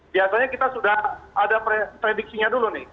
biasanya kita sudah ada prediksinya dulu nih